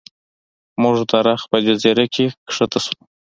موږ د رخ په جزیره کې ښکته شو.